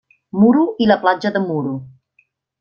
Muro i la Platja de Muro.